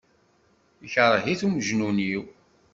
Ikṛeh-it umejnun-iw.